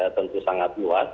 tentu sangat luas